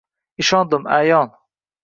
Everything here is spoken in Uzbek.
Ishondim — ayon —